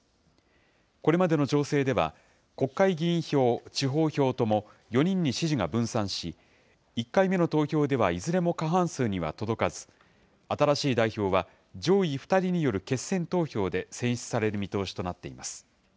これまでの情勢では、国会議員票、地方票とも４人に支持が分散し、１回目の投票ではいずれも過半数には届かず、新しい代表は、上位２人による決選投票で選出される見通しとなっています。